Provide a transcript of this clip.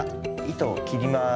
糸を切ります。